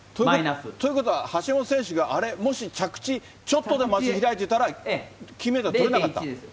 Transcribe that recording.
ということは、橋本選手が、あれ、もし着地ちょっとでも足開いてたら、金メダルとれなかった０．１です。